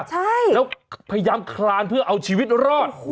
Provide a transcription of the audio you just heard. ใช่แล้วพยายามคลานเพื่อเอาชีวิตรอด